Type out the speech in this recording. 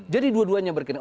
jadi dua duanya berkeringat